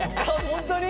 本当に？